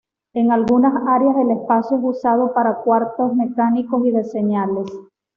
En algunas áreas el espacio es usado para cuartos mecánicos y de señales.